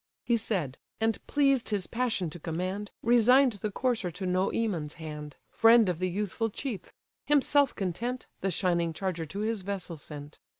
He said; and pleased his passion to command, Resign'd the courser to Noemon's hand, Friend of the youthful chief: himself content, The shining charger to his vessel sent.